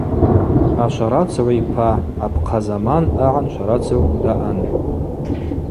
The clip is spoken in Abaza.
Ашварацыгӏв йпа Апхъазаман агӏан шварацыгӏвкӏ даъан.